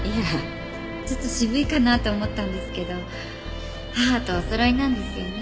ちょっと渋いかなって思ったんですけど母とおそろいなんですよね